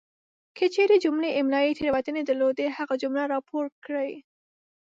کچیري جملې املائي تیروتنې درلودې هغه جمله راپور کړئ!